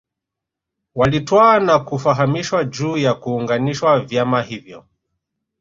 Waliitwa na kufahamishwa juu ya kuunganishwa vyama hivyo